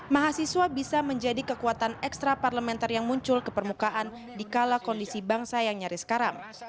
mahasiswa bisa menjadi kekuatan ekstra parlementer yang muncul ke permukaan di kala kondisi bangsa yang nyaris karam